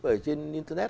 ở trên internet